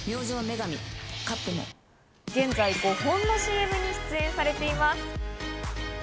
現在５本のＣＭに出演されています。